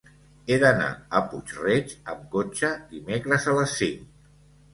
He d'anar a Puig-reig amb cotxe dimecres a les cinc.